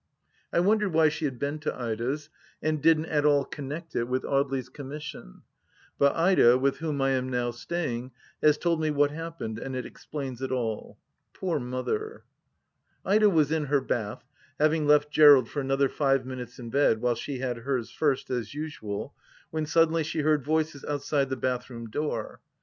I wondered why she had been to Ida's, and didn't at all connect it with Audely's com mission ; but Ida, with whom I am now staying, has told me what happened, and it explains it all. Poor Mother 1 Ida was in her bath, having left Gerald for another five minutes in bed while she had hers first, as usual, when sud denly she heard voices outside the bathroom door.